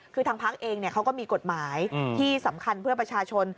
คือทางพักเองเขาก็มีกฎหมายที่สำคัญเพื่อประชาชน